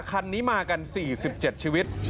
คันนี้มากัน๔๗ชีวิต